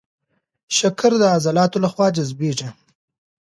شکر د عضلاتو له خوا جذبېږي.